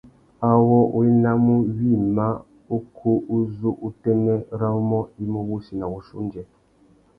Awô wa enamú wïmá ukú uzu utênê râ umô i mú wussi na wuchiô undjê.